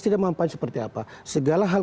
tidak mampu seperti apa segala hal